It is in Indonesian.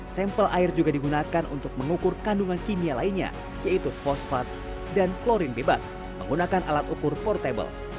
sampel air juga digunakan untuk mengukur kandungan kimia lainnya yaitu fosfat dan klorin bebas menggunakan alat ukur portable